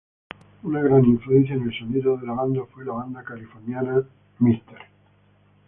Una gran influencia en el sonido de la banda fue la banda californiana, Mr.